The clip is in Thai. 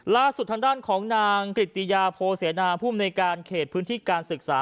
ล่าสุดทางด้านของนางกริติยาโพเสนาภูมิในการเขตพื้นที่การศึกษา